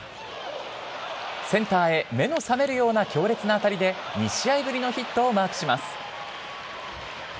センターへ、目の覚めるような強烈な当たりで、２試合ぶりのヒットをマークします。